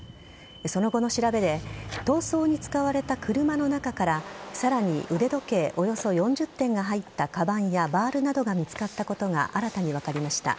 その後の調べで逃走に使われた車の中からさらに腕時計およそ４０点が入ったかばんやバールなどが見つかったことが新たに分かりました。